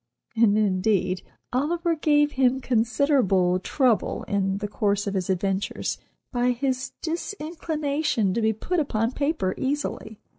And, indeed, "Oliver" gave him considerable trouble, in the course of his adventures, by his disinclination to be put upon paper easily.